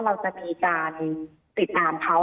เราจะมีการติดตามเขา